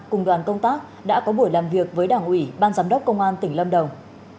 cùng đoàn công tác đã có buổi làm việc với đảng ủy ban giám đốc công an tỉnh lâm đồng